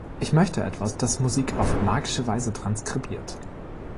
Ich möchte etwas, das Musik auf magische Weise transkribiert.